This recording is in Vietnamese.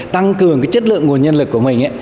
tăng cường chất lượng nguồn nhân lực của mình